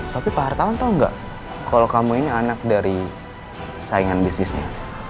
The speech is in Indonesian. tapi pak hartawan tau gak kalo kamu ini anak dari saingan bisnisnya